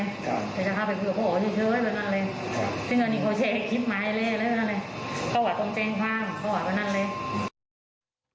เบาหวัดตรงเจนข้างเบาหวัดแบบนั้นเลย